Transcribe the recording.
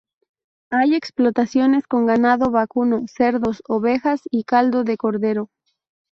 Hay explotaciones con ganado vacuno, cerdos, ovejas y caldo de cordero.